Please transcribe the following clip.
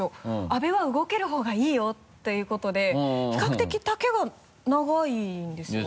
「阿部は動ける方がいいよ」っていうことで比較的丈が長いんですよ。